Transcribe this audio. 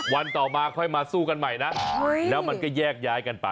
ต่อมาค่อยมาสู้กันใหม่นะแล้วมันก็แยกย้ายกันไป